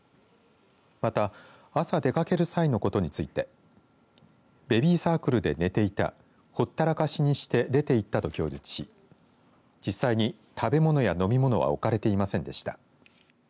また朝出かける際のことについてベビーサークルで寝ていたほったらかしにして出て行ったと供述し実際に食べ物や飲み物は置かれていませんでした。